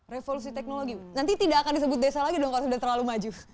revolusi teknologi nanti tidak akan disebut desa lagi dong kalau sudah terlalu maju